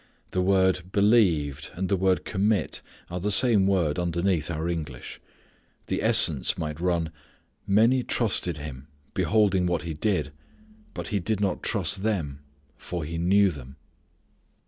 The word "believed," and the word "commit" are the same word underneath our English. The sentence might run "many trusted Him beholding what He did; but He did not trust them for He knew them."